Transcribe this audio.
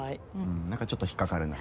何かちょっと引っ掛かるな。